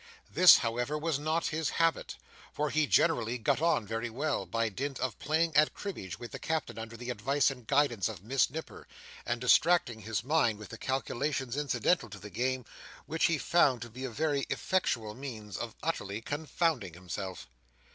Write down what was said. This, however, was not his habit: for he generally got on very well, by dint of playing at cribbage with the Captain under the advice and guidance of Miss Nipper, and distracting his mind with the calculations incidental to the game; which he found to be a very effectual means of utterly confounding himself.